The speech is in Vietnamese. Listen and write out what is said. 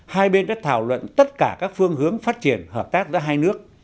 hai bên đã thảo luận tất cả các phương hướng phát triển hợp tác giữa hai nước